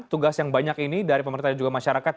tugas yang banyak ini dari pemerintah dan juga masyarakat